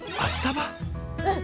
うん。